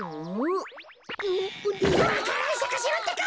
わか蘭さかせろってか！